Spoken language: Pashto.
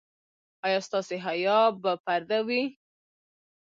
ایا ستاسو حیا به پرده وي؟